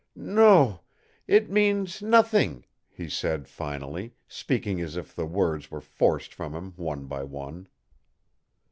"No it means nothing," he said finally, speaking as if the words were forced from him one by one.